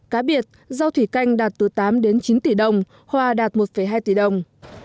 cá biệt rau thủy canh đạt từ tám đến chín tỷ đồng hoa đạt một hai tỷ đồng